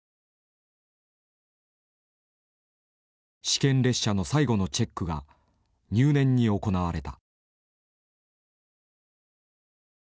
試験列車の最後のチェックが入念に行われた。